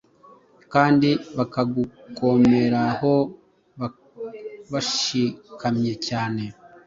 kandi bakagukomeraho bashikamye cyane.